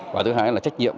và thứ hai là trách nhiệm